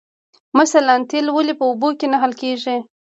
مثلاً تیل ولې په اوبو کې نه حل کیږي